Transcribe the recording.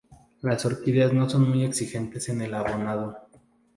Las orquídeas no son muy exigentes en el abonado.